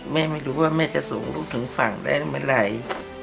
ไม่รู้ว่าแม่จะส่งลูกถึงฝั่งได้เมื่อไหร่